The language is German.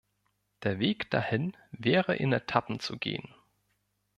Der Weg dahin wäre in Etappen zu gehen.